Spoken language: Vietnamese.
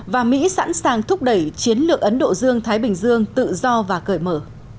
và mỹ sẵn sàng thúc đẩy chiến lược ấn độ dương thái bình dương tự do và cởi mở